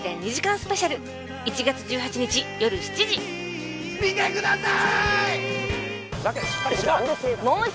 スペシャル１月１８日よる７時見てください！